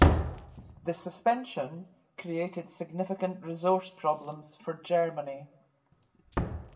The suspension created significant resource problems for Germany.